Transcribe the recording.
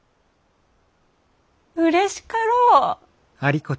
うれしかろう？